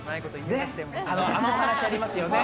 あのお話ありますよね？